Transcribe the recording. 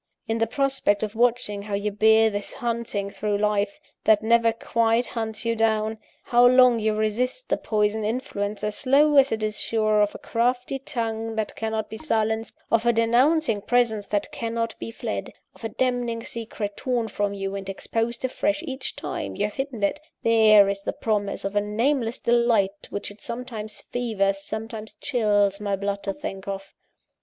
In the prospect of watching how you bear this hunting through life, that never quite hunts you down; how long you resist the poison influence, as slow as it is sure, of a crafty tongue that cannot be silenced, of a denouncing presence that cannot be fled, of a damning secret torn from you and exposed afresh each time you have hidden it there is the promise of a nameless delight which it sometimes fevers, sometimes chills my blood to think of.